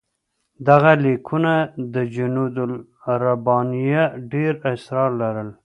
دغه لیکونه د جنودالربانیه ډېر اسرار لرل.